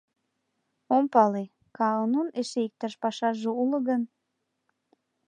— Ом пале, Каанун эше иктаж пашаже уло гын?